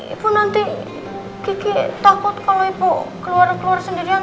ibu nanti kiki takut kalau ibu keluar keluar sendirian